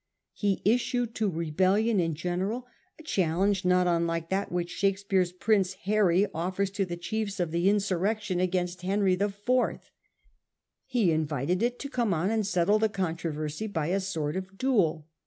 He issued to rebellion in general a challenge not unlike that which Shake speare's Prince Harry offers to the chiefs of the in surrection against Henry IV. He invited it to come on and settle the controversy by a sort of duel.